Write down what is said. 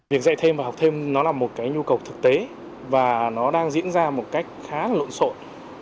việc dạy thêm và học thêm nó là một cái nhu cầu thực tế và nó đang diễn ra một cách khá lộn xộn